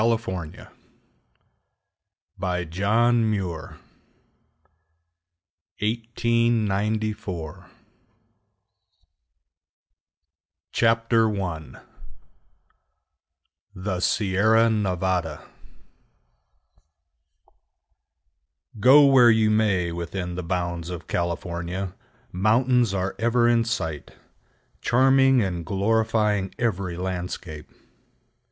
—SPANISH BAYONET A BEE KEEPER'S CABIN CHAPTER I THE SIERRA NEVADA Go where you may within the bounds of California, mountains are ever in sight, charming and glorifying every landscape.